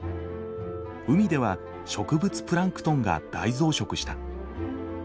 海では植物プランクトンが大増殖した。